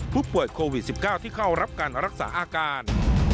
ผู้ป่วยโควิด๑๙ที่เข้ารับการรักษาอาการ